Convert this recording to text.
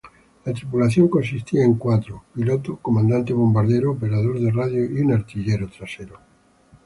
La tripulación consistía en cuatro: piloto, comandante-bombardero, operador de radio y un artillero trasero.